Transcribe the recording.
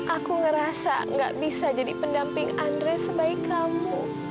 aku ngerasa gak bisa jadi pendamping andre sebaik kamu